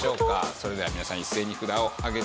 それでは皆さん一斉に札を上げてください。